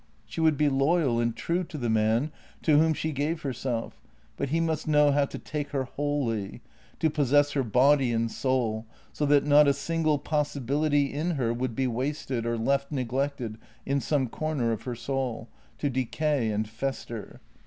She would be loyal and true to the man to whom she gave her self, but he must know how to take her wholly, to possess her body and soul, so that not a single possibility in her would be wasted or left neglected in some corner of her soul — to decay and fester.